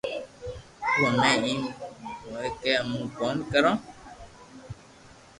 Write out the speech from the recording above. تو ھمي ايم ھوئي ڪو امو ڪوم ڪرو